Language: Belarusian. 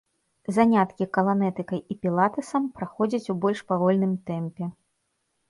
Заняткі каланэтыкай і пілатэсам праходзяць у больш павольным тэмпе.